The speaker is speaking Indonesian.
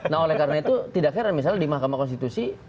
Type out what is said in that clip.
nah oleh karena itu tidak heran misalnya di mahkamah konstitusi